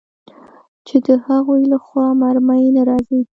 چې د هغوى له خوا مرمۍ نه راځي.